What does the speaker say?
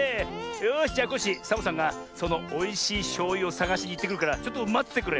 よしじゃコッシーサボさんがそのおいしいしょうゆをさがしにいってくるからちょっとまっててくれ。